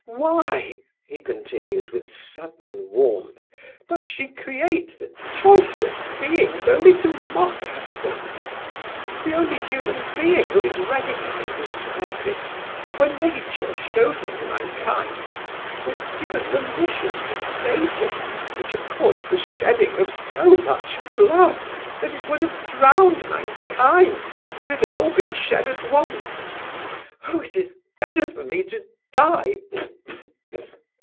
Why"—he continued with sudden warmth—"does she create the choicest beings only to mock at them? The only human being who is recognized as perfect, when nature showed him to mankind, was given the mission to say things which have caused the shedding of so much blood that it would have drowned mankind if it had all been shed at once! Oh! it is better for me to die!